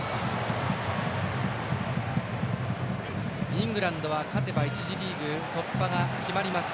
イングランドは勝てば１次リーグ突破が決まります。